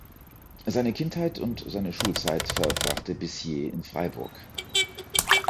Seine Kindheit und seine Schulzeit verbrachte Bissier in Freiburg.